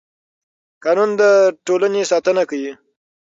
قانون د ټولنې ساتنه کوي